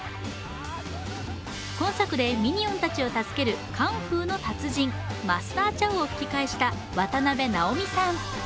今作でミニオンたちを助けるカンフーの達人、マスター・チャウ役を吹き替えした渡辺直美さん。